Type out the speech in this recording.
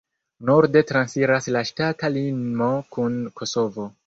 Norde transiras la ŝtata limo kun Kosovo.